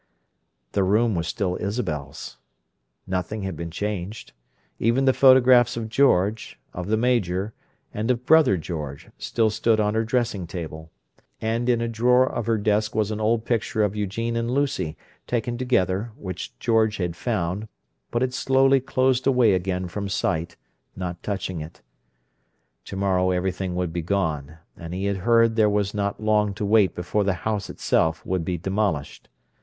The room was still Isabel's. Nothing had been changed: even the photographs of George, of the Major, and of "brother George" still stood on her dressing table, and in a drawer of her desk was an old picture of Eugene and Lucy, taken together, which George had found, but had slowly closed away again from sight, not touching it. To morrow everything would be gone; and he had heard there was not long to wait before the house itself would be demolished.